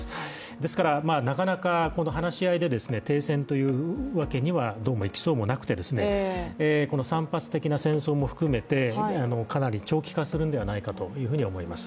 ですから、なかなかこの話し合いで停戦というわけにはどうもいきそうもなくてこの散発的な戦闘も含めて長期化するのではないかと思います。